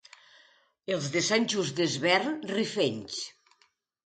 Els de Sant Just Desvern, rifenys.